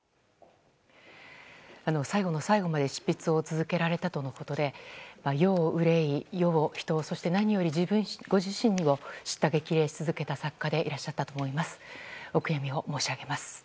最後の最後まで執筆を続けられたとのことで世を憂い、世を、人をそして何より自分ご自身を叱咤激励し続けた作家でいらっしゃったと思います。